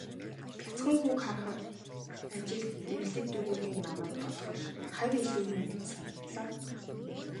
Бяцхан хүүг нь харахад, ажилд эвлэг дүйгээрээ намайг бодоход хавь илүү юм гэж санагдлаа.